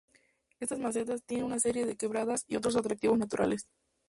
Estas mesetas tienen una serie de quebradas y otros atractivos naturales.